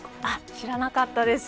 知らなかったです。